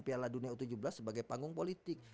piala dunia u tujuh belas sebagai panggung politik